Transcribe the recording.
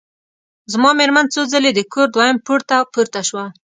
زما مېرمن څو ځلي د کور دویم پوړ ته پورته شوه.